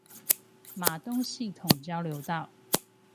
瑪東系統交流道